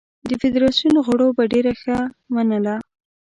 د فدراسیون غړو به ډېره ښه منله.